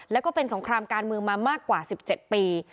แล้วก็เป็นสงครามการเมืองมามากกว่า๑๗ปี